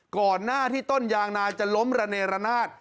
ก่อนหน้าที่ต้นยางนาจะล้มระเนรนาศ